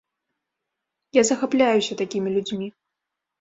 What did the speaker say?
Я захапляюся такімі людзьмі.